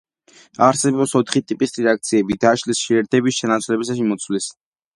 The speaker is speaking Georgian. არსებობს ოთხი ტიპის რეაქციები: დაშლის, შეერთების, ჩანაცვლების და მიმოცვლის.